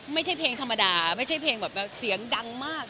ไม่ใช่เพลงธรรมดาไม่ใช่เพลงแบบเสียงดังมาก